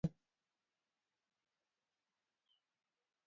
Parni onego oganda maromo ji mia abiriyo epinywa mar Kenya.